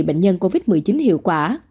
bệnh nhân covid một mươi chín hiệu quả